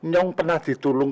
yang pernah ditolong